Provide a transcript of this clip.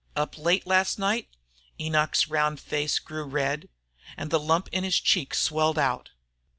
up late last night?" Enoch's round face grew red, and the lump in his cheek swelled out.